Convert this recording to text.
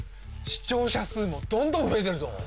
視聴者数もどんどん増えてるぞ！